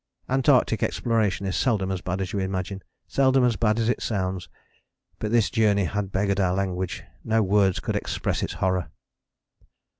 Antarctic exploration is seldom as bad as you imagine, seldom as bad as it sounds. But this journey had beggared our language: no words could express its horror.